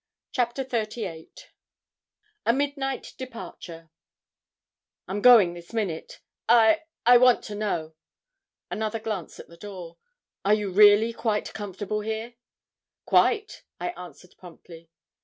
CHAPTER XXXVIII A MIDNIGHT DEPARTURE 'I'm going this minute I I want to know' another glance at the door 'are you really quite comfortable here?' 'Quite,' I answered promptly.